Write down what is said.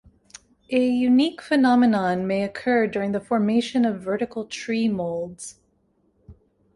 A unique phenomenon may occur during the formation of vertical tree molds.